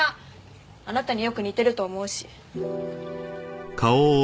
あなたによく似てると思うし。